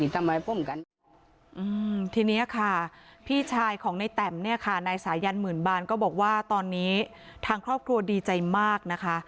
ตอนนี้ทางครอบครัวดีใจมากนะคะตอนนี้ทางครอบครัวดีใจมากนะคะ